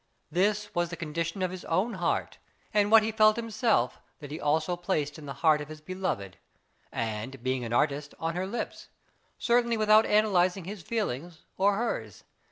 This was the condition of his own heart, and what he felt himself, that he also placed in the heart of his beloved, and, being an artist, on her lips certainly without analysing his feelings or hers.